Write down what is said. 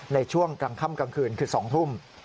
ในช่วงกลางค่ำกลางคืนคือ๒ทุ่ม